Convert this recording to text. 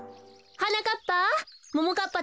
はなかっぱ。